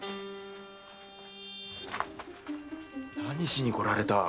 何しにこられた？